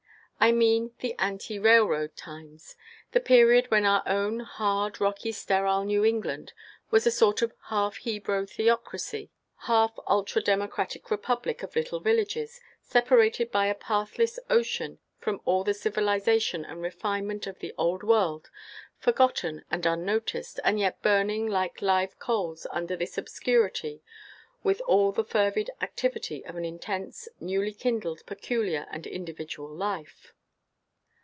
I mean the ante railroad times, – the period when our own hard, rocky, sterile New England was a sort of half Hebrew theocracy, half ultra democratic republic of little villages, separated by a pathless ocean from all the civilization and refinement of the Old World, forgotten and unnoticed, and yet burning like live coals under this obscurity with all the fervid activity of an intense, newly kindled, peculiar, and individual life.